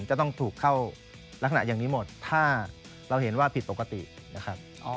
จะต้องถูกเข้าลักษณะอย่างนี้หมดถ้าเราเห็นว่าผิดปกตินะครับ